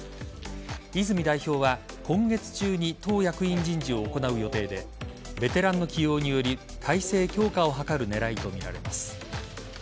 泉代表は今月中に党役員人事を行う予定でベテランの起用により体制強化を図る狙いとみられます。